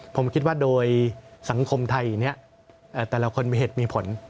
ผมคิดว่าโดยสังคมไทยเนี่ยแต่ละคนมีเหตุมีผล